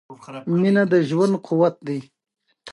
• مینه د ژوند قوت دی.